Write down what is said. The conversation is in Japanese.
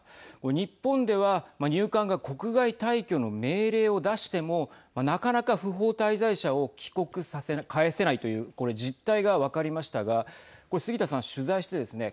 日本では入管が国外退去の命令を出してもなかなか不法滞在者を帰国させない帰せないというこれ、実態が分かりましたがこれ杉田さん、取材してですね